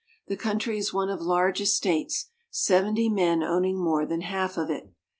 The country is one of large estates, seventy men owning more than half of it.